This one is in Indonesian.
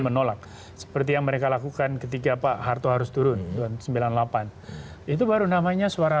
menolak seperti yang mereka lakukan ketika pak harto harus turun sembilan puluh delapan itu baru namanya suara